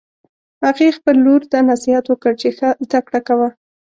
هغې خپل لور ته نصیحت وکړ چې ښه زده کړه کوه